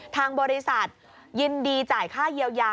ทางบริษัทยินดีจ่ายค่าเยียวยา